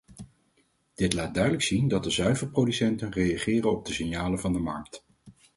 Dit laat duidelijk zien dat de zuivelproducenten reageren op de signalen van de markt.